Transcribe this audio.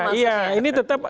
ya ya ini tetap